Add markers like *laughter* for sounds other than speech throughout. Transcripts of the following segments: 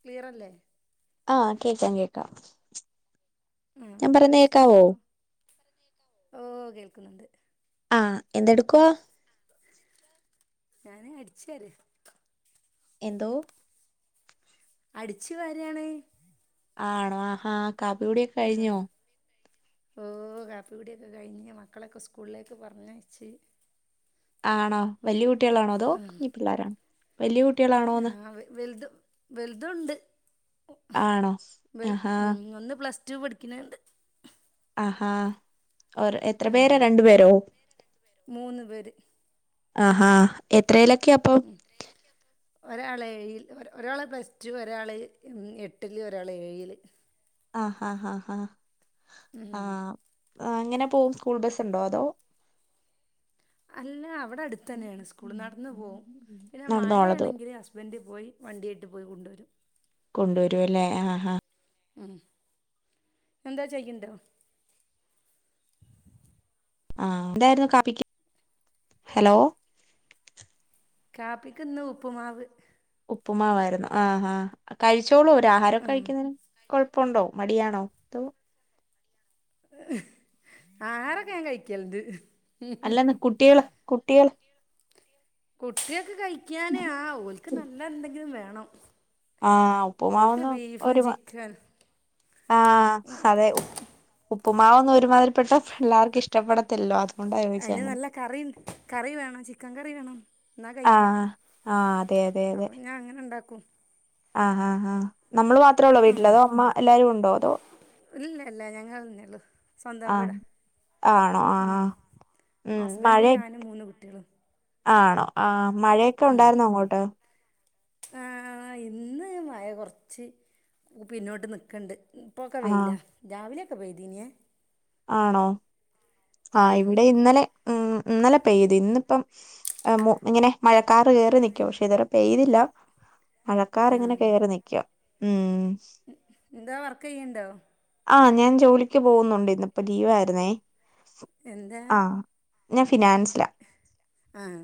Clear അല്ലേ? ആഹ് കേക്കാം കേക്കാം മ് ഞാൻ എന്താ പറയുന്ന കേക്കാവോ വിശേഷം? ഓ കേൾക്കുന്നുണ്ട് ആഹ് എന്തെടുക്കുവാ? ഞാന് അടിച്ച് വാര് എന്തോ അടിച്ചു വാരുവാണ് ആണോ ആഹാ കാപ്പികുടിയൊ ആഹ്. ഓഹ് കാപ്പികുടിയൊക്കെ കഴിഞ്ഞ് മക്കളെക്കെ സ്കൂൾലേക്ക് പർഞ്ഞയ്ച്ച്. ആണോ വല്ല്യ കുട്ടികളാണോ അതോ കുഞ്ഞി പിള്ളാരാണോ വല്ല്യ കുട്ടികളാണോന്ന്. ആഹ് വൽത് വൽതുണ്ട് ആണോ വൽ ആഹാ ഉം ഒന്ന് പ്ലസ് ടു പഠിക്ക്ണണ്ട്. ആഹാ ഓർ എത്ര പേരാ രണ്ടു പേരോ. മൂന്ന് പേര് ആഹാ എത്രയിലൊക്കെ അപ്പൊ. എത്രയിലൊക്കെ അപ്പൊ. ഒരാളേഴിൽ ഒര ഒരാള് പ്ലസ് ടു ഒരാള് ഉം എട്ടില് ഒരാള് ഏഴില്. ആ ഹാ ഹാ ഹാ ഉം ആഹ് എങ്ങനെ പോവും സ്കൂൾ ബസ്സ്ണ്ടോ അതോ. അല്ല അവിടെ അടുത്തന്നെണ് സ്കൂള് നട്ന്നു പോവും പിന്നെ നടന്നോളത് മഴയാണെങ്കില് ഹസ് ബൻഡ് പോയി വണ്ടിയായിട്ട് പോയി കൊണ്ടുവരും. കൊണ്ടുവരുവല്ലേ ആഹാ. ഉം എന്താ ചെയ്യണ്ടോ. ആഹ് എന്തായിരുന്നു കാപിക് ഹലോ. കാപ്പിക്ന്ന് ഉപ്പുമാവ്. ഉപ്പുമാവായിരുന്നു ആഹാ കഴിച്ചോളൂ ഒരു ആഹാരക്കെ കഴിക്കുന്നതിന് കൊഴപ്പുണ്ടോ മടിയാണോ. അതോ ആഹാരൊക്കെ ഞാൻ കഴിക്കല്ണ്ട്. അല്ലന്ന് കുട്ടികള കുട്ടികൾ. കുട്ട്യേക്ക് കഴിക്കാന് ആ ഓൽക്ക് നല്ല എന്തെങ്കിലും വേണം. ആഹ് ഓൽക്ക് ഉപ്പുമാവൊന്നു ബീഫും ഒരു ചിക്കൻ ആഹ് അതെ. ഉപ്പുമാവന്നും ഒരുമാതിരിപ്പെട്ട പിള്ളാർക്ക് ഇഷ്ടപ്പെടത്തില്ലല്ലോ അത്. അയ്ല് നല്ല കറി കറി വേണം ചിക്കൻ കറി വേണം എന്നാ കഴിക്കും. ആഹ് ആഹ് അതെ അതെ അതെ അപ്പൊ ഞാൻ അങ്ങനെണ്ടാക്കും. ആഹ് ആഹ് ആഹ് നമ്മള് മാത്രേള്ളൂ വീട്ടില് അതോ അമ്മ എല്ലാരും ഉണ്ടോ അതോ. ഓലൊന്നല്ല ഞങ്ങൾന്നള്ളു സ്വന്തം ആഹ് വീടാ ഉം ആഹ് ഉം ആഹ്. മഴ ഹസ്ബൻഡും ഞാനും മൂന്ന് കുട്ടികളും ആണോ ആഹ് മഴയൊക്കെ ഉം. ഉണ്ടായിരുന്നോ അങ്ങോട്ട് ആ ഇന്ന് മഴ കൊർച്ച് പിന്നോട്ട് നിക്ക്ണ്ട്. ഇപ്പൊക്കെ ആഹ് വെയിലാ രാവിലെക്കെ പെയ്തിനെ. ആണോ ആ ഇവിടെ ഇന്നലെ ഉം ഇന്നലെ പെയ്ത് ഇന്നിപ്പം. അ മു ഇങ്ങനെ മഴക്കാറ് കേറി നിക്കു പക്ഷെ ഇതവരെ പെയ്തില്ല. മഴക്കാറ്ങ്ങനെ കേറി നിക്ക്യും ഉം. എന്താ വർക്കെയ്യ്ണ്ടോ. ആഹ് ഞാൻ ജോലിക്ക് പോകുന്നുണ്ട് ഇന്ന്പ്പൊ ലീവായിരുന്നേ. ആഹ് ഞാൻ ഫിനാൻസില. ആഹ്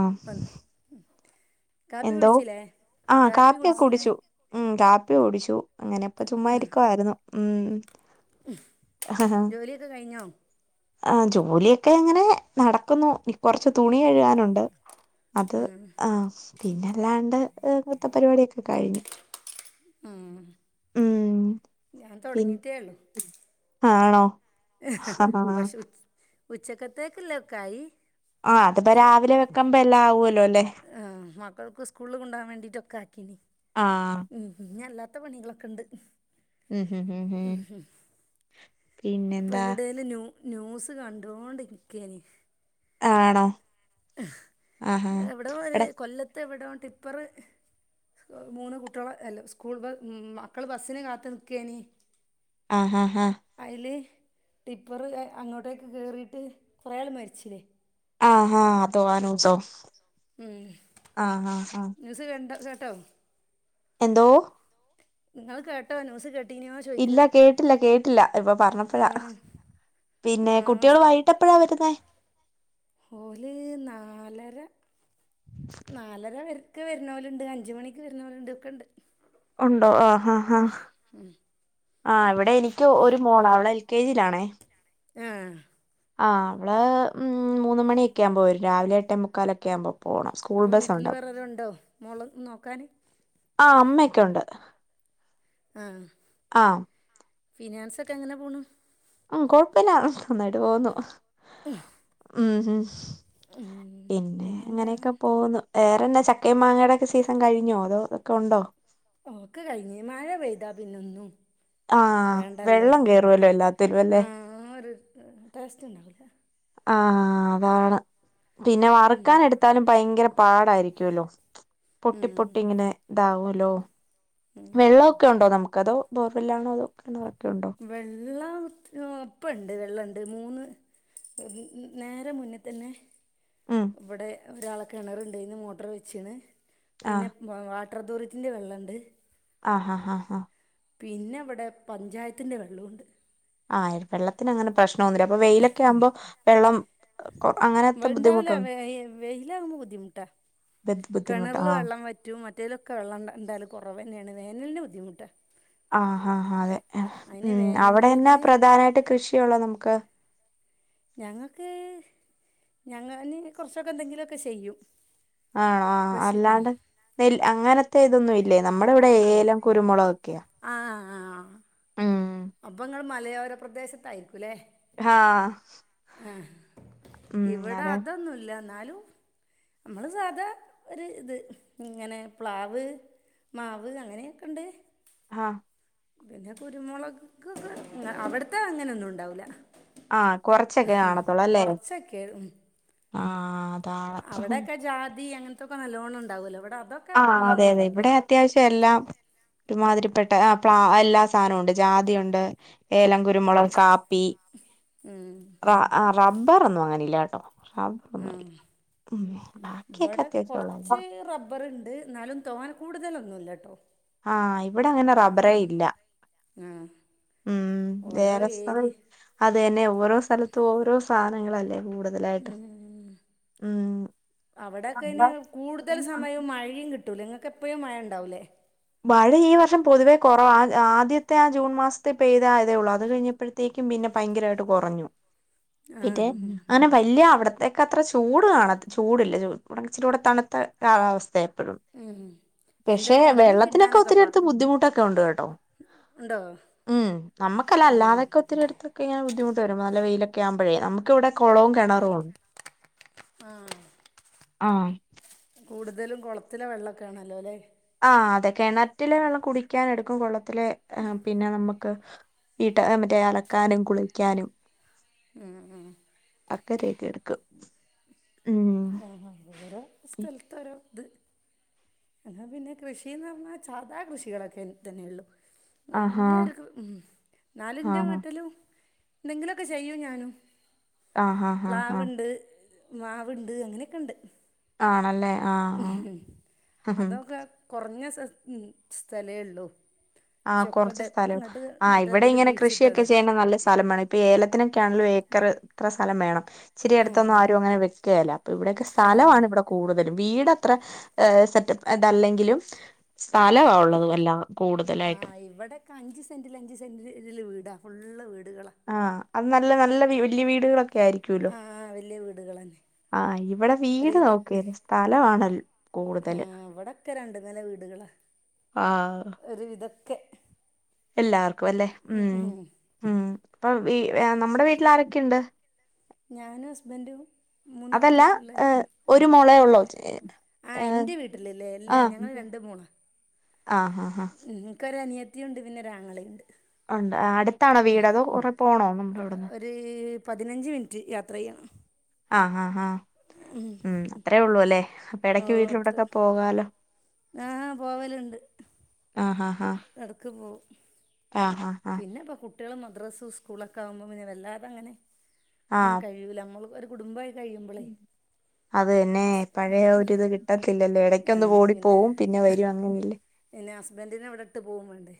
ആഹ് പ്പ കാപ്പി എന്തോ കുടിച്ചിലേ. ആഹ് കാപ്പിയൊക്കെ കുടിച്ചു ഉം കാപ്പി കുടിച്ചു അങ്ങനെപ്പ ചുമ്മാ ഇരിക്കുവായിരുന്നു. ഉം. ജോലിയൊക്കെ കഴിഞ്ഞോ. ആഹ് ജോലിയൊക്കെ അങ്ങനെ നടക്കുന്നു. കൊർച്ച് തുണി കഴുകാനുണ്ട് അത് ഉം ആഹ്. പിന്നല്ലാണ്ട് നൃത്ത പരിപാടിയൊക്കെ കഴിഞ്ഞു. ഉം ഉം ഞാൻ പിൻ തൊടങ്ങിട്ടേള്ളു. ആണോ. ഹ്, ഹ് ആ പക്ഷെ ഉച്ച ഉച്ചക്കത്തേക്ക് ഇല്ലേക്കായി. ആഹ്, അതിപ്പ രാവിലെ വെക്ക്മ്പോ എല്ലാം ആവു അല്ലോലേ ആഹ്, മക്കൾക്ക് സ്കൂളിൽ കൊണ്ട്പോകാൻ വേണ്ടിട്ടൊക്കെ ആക്കീനി ആ ഉം, ഇഞ്ഞ് അല്ലാ ത്ത പണികളൊക്കെ ഉണ്ട്. ഉം ഉം ഉം ഉം *unintelligible* അപ്പൊ പിന്നെന്താ അയിന്റെ ഇ ടയില് ന്യൂ ന്യൂസ് കണ്ടോണ്ട് നിക്കിയെനി. ആണോ. ആഹാ ഹ് എവിടെ ഒരു ഇവിടെ കൊല്ലത്ത് എവിടോ ടിപ്പറ് മൂന്ന് കുട്ടികളെ അല്ല സ്കൂൾ ബ മക്കള് ബസ്സിന് കാത്ത് നിക്കേനി ആഹ് ആഹ് ആഹ്. അയില് ടിപ്പറ് അങ്ങോട്ടേക്ക് കേയറിട്ട് കുറെ ആൾ മരിച്ചില്ലേ? ആഹ് ആഹ് *unintelligible* ഉം, ന്യൂസ് കണ്ടോ കേട്ടോ? എന്തോ? ഇങ്ങള് കേട്ടോ ന്യൂസ്കേ ഇല്ല കേട്ടില്ല കേട്ടില്ല ഇപ്പോ പറഞ്ഞപ്പോഴാ ആഹ് പിന്നെ ആഹ് കുട്ടികളുമായി എപ്പഴ വരുന്നേ? ഓല് നാലര നാലര ക്ക് വരുന്നോല്ണ്ട് അഞ്ച് മണിക്ക് വരുന്നോല്ണ്ട് ഒക്കെണ്ട്. ഉണ്ടോ ആഹ്, ആഹ്, ആഹ്, ആ ഇവിടെ എനിക്ക് ഒരു മോള് അവള് എൽ കെ ജിയിലാണേ. ഏഹ്. ആ അവള് മൂന്ന് മണിയൊക്കെ ആവുമ്പോൾ വരും രാവിലെ എട്ടേ മുക്കാലൊക്കെ ആവുമ്പോ അപ്പോ വീട്ടില് വെറെ ആരോ ഉണ്ടോ മോളെ നോക്കാന്? ആ അമ്മയൊക്കെ ഉണ്ട്. ആഹ്. ആഹ് ഫിനാൻസ് ഒക്കെ എങ്ങനെ പോണു? ഉം കൊഴപ്പല്ല നന്നായിട്ട് പോവുന്നു. ഉം, ഉം ഉം പിന്നെ പിന്നെന്താ അങ്ങനെയൊക്കെ പോവുന്നു. വേറെന്താ ചക്കയും മാങ്ങയുടെക്കെ സീസൺ കഴിഞ്ഞോ അതോ ഒക്കെ ഉണ്ടോ? ഒക്കെ കഴിഞ്ഞ് മഴ പെയ്ത പിന്നെ ഒന്നും ആഹ് വെള്ളം കയറുവല്ലോ എല്ലാ ത്തിലും അല്ലേ. ആ ഒരു ടേ ടേസ്റ്റ് ഉണ്ടാവുല. ആഹ് അതാണ് പിന്നെ വറുക്കാൻ എടു ത്താലും ഭയങ്കര പാടായിരിക്കുവല്ലോ പൊട്ടി ഉം പൊട്ടി ഇങ്ങനെ ഇതാവുല്ലോ. വെള്ളമൊക്കെ ഉണ്ടോ നമുക്ക് അതോ ബോർവെല്ലാണോ അതോ കിണറൊക്കെ ഉണ്ടോ? വെള്ളം മ് ഇപ്പൊ ഇണ്ട് ‌ വെള്ളം ഇണ്ട് മൂന്ന് നേരെ മുന്നിൽ തന്നെ ഉം ഇവിടെ ഒരാളെ കിണറുണ്ട് അതിന്ന് മോട്ടർ വെച്ച്ണ് പിന്നെ ആഹ് വാട്ടർ അതോറിറ്റിന്റെ വെള്ളം ഇണ്ട്. ആഹ്, ആഹ്, ആഹ്, ആഹ് പിന്നെ ഇവിടെ പഞ്ചായത്തിന്റെ വെള്ളം ഉണ്ട്. ആ വെള്ളത്തിന് അങ്ങനെ പ്രശ്നം ഒന്നുല്ല. അപ്പൊ വെയിലൊക്കെ ആവുമ്പോ വെള്ളം കൊ- അങ്ങനത്തെ *unintelligible* ഇണ്ടാവുല ബുദ്ധിമുട്ടുണ്ടോ വെയില് ആവുമ്പോ ബുദ്ധിമുട്ടാ. *unintelligible* ബുദ്ധിമുട്ട് ആഹ്. മറ്മറ്റേലൊക്കെ വെള്ളംണ്ടായും എന്തായാലും കുറവ് നെണ് വേനലന് ബുദ്ധിമുട്ട ആഹ ആ അതെ ഉം അവിടെന്നെ വേനലിലേക്ക് പ്രധാനമായിട്ട് കൃഷിയള്ളൂ നമുക്ക്? ഞങ്ങൾക്ക് ഞങ്ങന് കുറച്ചൊക്കെ എന്തെങ്കിലുമൊക്കെ ചെയ്യും. ആണോ ആ കൃഷി ഉം അല്ലാണ്ട് നെല്ല് അങ്ങനത്തെ ഇതൊന്നും ഇല്ലെ? ഇല്ലെ നമ്മടെ ഇവിടെ ഏലം കുരുമുളക ഒക്കെയാ. ആഹ ആ. ഉം. അപ്പോ ഇങ്ങള് മലയോര പ്രദേശത്തായിരിക്കും. ല്ലെ. ആഹ്. ആഹ ഉം ഇവിടെ അതെ അതൊന്നുമല്ല എന്നാലു നമ്മള് സാധാ ഒരു ഇത് ഇങ്ങനെ പ്ലാവ്, മാവ് അങ്ങനെയൊക്കെ ഉണ്ട്. ആഹ പിന്നെ കുരുമുളക് അവിടത്തെ അങ്ങനെ ഒന്നും ഉണ്ടാവൂല. ആഹ് കൊറച്ചൊക്കെ കാണത്തുള്ളൂ അല്ലേ കൊറച്ചൊക്കെ ഉ ആഹ് അതാണ് അവിടെയക്കെ ജാതി അങ്ങനത്തൊക്കെ നല്ലവോണം ഉണ്ടാവലോ അവിടെ അതൊ ആ അതെ അതെ ഇവിടെ അത്യാവശ്യം എല്ലാം ഒരുമാതിരിപ്പെട്ട പ്ല എല്ലാ സാധനവും ഉണ്ട് ജാതിയുണ്ട്, ഏലം, കുരുമുളക്, കാ പ്പി, ഉം റ റബ്ബർ ഒന്നും അങ്ങനെല്ല കേട്ടോ റബ ഒന്നല്ല ഉം ഉ ബാക്കിയൊക്കെ അത്യാവശ്യം ഉള്ളല്ലോ റബർണ്ട് എന്നാലും തോനെ കൂടുതലൊന്നുമല്ലട്ടോ ആഹ ഇവിടെ അങ്ങനെ റബറേ ഇല്ല. ആ ഉം ഓരോ വേറെ സ്ഥലം ഏരി അതന്നെ ഓരോ സ്ഥലത്തും ഓരോ സാധനങ്ങളല്ലേ കൂടുതൽ. ഉം അവിടെക്കെ ഇന് കൂടുതൽ സമയവും മഴയും കിട്ടും. കിട്ടൂലെ നിങ്ങക്ക് എപ്പോഴും മഴ ഉണ്ടാവൂലെ. മഴ ഈ വർഷം പൊതുവേ കുറവ ആദ്യത്തെ ആ ജൂൺ മാസത്തെ പെയ്ത ആതേ ഉള്ളു അത് കഴിഞ്ഞ പ്പോഴത്തേക്കും പിന്നെ ഭയങ്കരമായിട്ട് കുറഞ്ഞു, ആ പിന്നെ അനെ വലിയ അവിടത്തേക്കെ അത്ര ചൂട് കാണാ ചൂടില്ല ച തുടങ്ങച്ചിരി കൂടെ തണുത്ത കാലാവസ്ഥയ എപ്പോഴും. ഉം എന്താ ഉണങ്ങികിടി അതിനൊക്ക ഒത്തിരിടുത്ത് ബുദ്ധിമട്ടക്കെ ഉണ്ട് കേട്ടോ ഉണ്ടോ ഉം നമ്മുക്കല്ല ഉം. അല്ലാതൊക്കെ ഒത്തിരി എടുത്ത് ഇതക്കെ ഇങ്ങനെ ബുദ്ധിമുട്ടരുമ്പോ നല്ല വെയിലൊക്കെ ആവുമ്പഴേ നമുക്ക് ഇവിടെ കുളവും കണറുണ്ട്. ആഹ് ആഹ് കൂടുതലും കുളത്തിലെ വെള്ളമൊക്കെ ആണല്ലോ അല്ലേ ആ അതെ കിണറ്റിലെ വെള്ളം കുടിക്കൻ എടുക്കും. കുള്ളത്തിലെ പിന്നെ നമുക്ക് വീട്ട മറ്റേ അലക്കാനും, കുളിക്കാനും. ഉം ഉം ഒരു എഴുതിയ എടുക്കും ഉം ആഹ വേറെ പി- സ്ഥലത്ത് ഒരു ഇത്. അപ്പോ പിന്നെ കൃഷിന്ന് പറഞ്ഞാൽ സാധാ കൃഷികളൊക്കെ തന്നെള്ളു ആഹാ *unintelligible* ഉം എന്നാലും എന്റെ ആഹാ വീട്ടിലും എന്തെങ്കിലൊക്കെ ചെയ്യും ഞാനും ആഹാ ആഹാ പ്ലാവ്ണ്ട് മാവ്ണ്ട് അങ്ങനെയൊക്കെണ്ട് ആണല്ലേ ആഹ് ആഹ് അതൊക്കെ കൊറഞ്ഞ സസ് ഉം സ്ഥലേ ഉള്ളൂ ആഹ് പക്ഷെ ഒക്കെ കൊറച്ച് ഡെ സ്ഥലം ഇങ്ങോട്ട് ആഹ് മറ്റേ ഇവിടെ ഇതിൽ ഇങ്ങനെ കൃഷിയൊക്കെ കുഴിച്ചിട്ടത് ചെയ്യണെ നല്ല സ്ഥലം വേണം ഇ ഇപ്പ ഏലത്തിനൊക്കെയാണേലും ഏക്കറ് ഇത്ര സ്ഥലം വേണം ഇച്ചിരി എടത്തൊന്നും ആരും അങ്ങനെ വെക്കേല അപ്പ ഇവിടയൊക്കെ ആ സ്ഥലമാണ് ഇവിടെ കൂടുതലും വീടത്ര ഏഹ് സെറ്റപ്പ് ഇതല്ലെങ്കിലും സ്ഥലവാ ഒ അതുവല്ല കൂടുതലായി ആഹ് ഇവിടേക്ക അഞ്ച് സെന്റില് അഞ്ച് സെന്റില് ഇതില് വീടാ ഫുള്ള് വീടുകളാ ആഹ് അത് നല്ല നല്ല വല്യ വീടുകളൊക്കെ ആയിരിക്കൂല്ലൊ ആഹ് വല്യ വീടുകളന്നെ ആഹ് ഇവിടെ വീട് നോക്കേലാ സ്ഥലമാണ ൽ കൂടുതല് ക്കെ രണ്ടു നില വീടുകളാ ആഹ് ഒരു വിധൊക്കേ എല്ലാർക്കുമല്ലേ ഉം ഉം ഇപ്പോം വീ നമ്മുടെ വീട്ടില് ആരൊക്കെയുണ്ട് ഞാനും ഹസ്ബൻഡും മൂന്ന് അതല്ല കുട്ടീം പിള്ളേരും ഒരു മോളേ ഉള്ളോ ആഹ് ഏഹ് എന്റെ വീട്ടിലല്ലേ അല്ലേ ഞങ്ങൾ ആഹ് രണ്ട് മൂണാ ആഹ് ഹാ ഹാ നിങ്ങക്ക് ഒരു അനിയത്തിയും ഉണ്ട് പിന്നെ ഒരാങ്ങളയും ഉണ്ട് ആഹ് ഉണ്ട് അടുത്താണോ വീട് അതോ കൊറേ പോണോ നമ്മുടെ ഇവിടുന്ന് *unintelligible* പതിനഞ്ച് മിനിറ്റ് യാത്ര ചെയ്യണം ആഹ് ഹ ഹ ഉം അത്രേ ഉള്ളൂ അല്ലേ അപ്പൊ ഓ എടക്ക് അത്ര വീട്ടിലൊട്ടക്ക പോകാലോ ആഹ് പോവലുണ്ട് ആഹ് ഹ ഹ എടയ്ക്ക് പോവും ആഹ് ഹ പിന്നെ ഇപ്പം കുട്ട്യള് മദ്രസ സ്കൂളൊക്കെ ആകുമ്പോൾ പിന്നെ വല്ലാതെ അങ്ങനെ ഒന്നും ആഹ് കഴിയൂല നമ്മൾ ഒരു കുടുംബമായി കഴിയുമ്പളെ അത് തന്നെ പഴയ ഒരിത് കിട്ടത്തില്ലല്ലോ ഇടയ്ക്കൊന്ന് ഓടി പോവും പിന്നെ വരും അങ്ങനെയല്ലേ പിന്നെ ഹസ്ബന്റിനെ ഇവിടെ ഇട്ട് പോകും വേണ്ടേ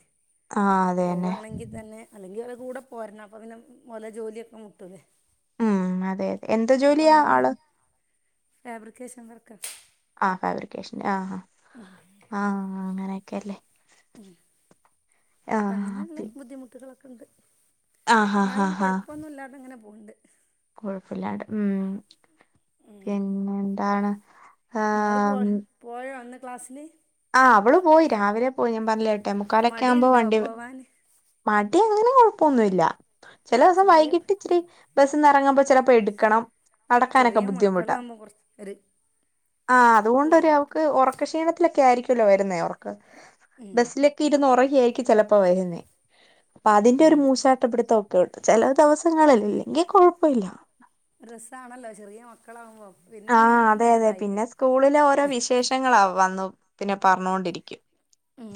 ആഹ് അത് തന്നെ പോകുകയാണെങ്കിൽ തന്നെ അല്ലെങ്കിൽ അവരെ കൂടെ പോരണം അപ്പൊ പിന്നെ ഓല ജോലിയൊക്കെ മുട്ടൂലേ ഉം അതെ അതെ എന്ത് അപ്പൊ ജോലിയാ അങ്ങനെ ആള് ഫാബ്രിക്കേഷൻ വർക്കാ ആഹ് ഫാബ്രിക്കേഷൻ ആഹ് ആഹ് ഉം ആഹ് ആഹ് അങ്ങനെയേക്കല്ലേ ഉം അപ്പം ആഹ് അങ്ങനെയുള്ള ബുദ്ധിമുട്ടുകളൊക്കെ ഉണ്ട് ആഹ് ആഹ് എന്നാലും കൊഴപ്പമൊന്നുമില്ലാതെ അങ്ങനെ പോകണ്ട് കുഴപ്പില്ലാണ്ട് ഉം പിന്നെ എന്താണ് മോള് പോ പോയോ ഇന്ന് ക്ലാസ്സില് ആഹ് അവള് പോയി രാവിലെ പോയി ഞാൻ പറഞ്ഞില്ലേ എട്ടെ മുക്കാലൊക്കെ ആവുമ്പോൾ മടിയുണ്ടോ വണ്ടി വ പോവാന് മടി അങ്ങനെ കൊഴപ്പൊന്നുമില്ല ചില ദിവസം ചെറിയ വൈകിട്ട് ഇച്ചിരി ബസിന്ന് എറങ്ങുമ്പ ചിലപ്പോ എടുക്കണം അടക്കാനൊക്കെ ചെറിയ ബുദ്ധിമുട്ടാ മക്കളാകുമ്പോൾ കുറച്ച് ഒരു ആ അല്ലേ അതുകൊണ്ടൊരു അവക്ക് ഉറ ക്ക ക്ഷീണത്തിലൊക്കെ ആയിരിക്കു ല്ലോ വരുന്നേ ഉറക്ക് ഉം ബസ്സിലൊക്കെ ഇരുന്ന് ഉറങ്ങി ആയിരിക്കും ചിലപ്പോ വരുന്നേ അപ്പൊ അതിന്റെ ഒരു ഉം മൂശാട്ടപിടുത്ത ഒക്കെ ഉണ്ട് ചില ദിവസങ്ങളിൽ ഇല്ലെങ്കി കുഴപ്പമില്ല രസാണല്ലോ ചെറിയ മക്കളാവുമ്പോ ആഹ് അതെ അതെ പിന്നെ സ്കൂളിലെ ഓരോ വിശേഷങ്ങള വന്നു പിന്നെ പറഞ്ഞൊണ്ടിരിക്കും ഉം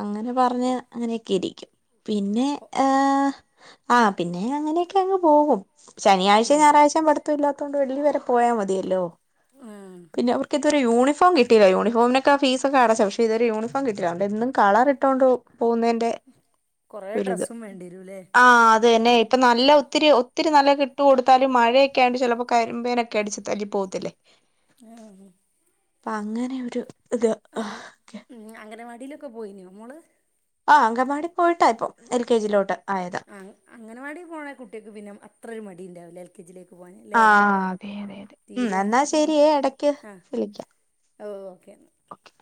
അങ്ങനെ പറഞ്ഞ് അങ്ങനെയൊക്കെ ഇരിക്കും പിന്നെ ഓ ഏഹ് ആഹ് പിന്നെ അങ്ങനെയൊക്കെ അങ്ങ് പോകും ശനിയാഴ്ചേ ഉം ഞായറാഴ്ചേ പഠുത്തം ഇല്ലാത്തൊണ്ട് വെള്ളി വരെ പോയാ മതിയല്ലോ ആ പിന്നെ അവർക്ക് ഇതുവരെ യൂണിഫം കിട്ടില്ല യൂണിഫോമിനക്കെ ഫീസ് ക്കെഅടച്ച പക്ഷെ ഇതുവരെ യൂണിഫോം കിട്ടീല അതൊണ്ട് എന്നും കളറ്ട്ടോ ട്ട് പോകുന്നേന്റെ കുറേ ഒരിത് ഡ്രസ്സും വേണ്ടി വരൂല്ലേ ആഹ്അത് തന്നെ ഇപ്പം നല്ല ഒത്തിരി ഒത്തിരി നല്ല ക്കെ ഇട്ടു കൊടുത്താലും മഴ ക്കെ ആയെണ്ട് ചിലപ്പോ കരിമ്പന അടിച്ച് തല്ലി പോകത്തില്ലേ *unintelligible* അപ്പൊ അങ്ങനെ ഒരു ഇത് മ് അംഗനവാടിയിലൊക്കെ പോയി നേ മോള് ആഹ് അഗംൻവാടി പോയിട്ടായിപ്പോ എൽ കെ ജിയിലോട്ട് ആയത് ആ അങ്ങനവാടി പോണ കുട്ടികൾക്ക് പിന്നെ അത്ര ഒരു മടി ഉണ്ടാവില്ല എ ൽകെജിലേക്ക് പോവാന് ല്ലേ ആഹ് അതെ അതെ അതെ ഉം തീരെ എന്നാ പോ ശരിയേ എടക്ക് ആഹ് ഓക്കെ ന്നാ ഓക്കെ